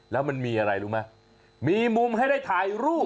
แล้วมันมีอะไรรู้ไหมมีมุมให้ได้ถ่ายรูป